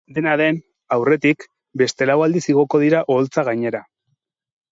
Dena den, aurretik, beste lau aldiz igoko dira oholtza gainera.